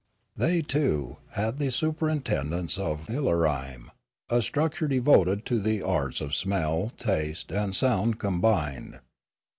They, too, had the superintendence of Ilarime, a structure devoted to the arts of smell, taste, and sound combined.